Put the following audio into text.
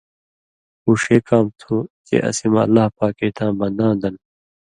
اُو ݜے کام تُھو چے اسی مہ اللہ پاکے تاں بنداں دَن